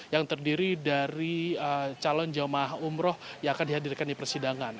yang terdiri dari calon jemaah umroh yang akan dihadirkan di persidangan